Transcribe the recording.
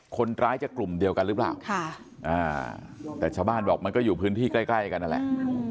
คนร้ายจะกลุ่มเดียวกันหรือเปล่าแต่ชาวบ้านบอกมันก็อยู่พื้นที่ใกล้กันนั่นแหละ